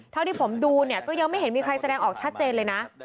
เท่าที่ผมดูเนี่ยก็ยังไม่เห็นมีใครแสดงออกชัดเจนเลยนะ